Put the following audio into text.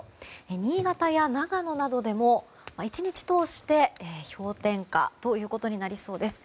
新潟や長野などでも１日通して氷点下となりそうです。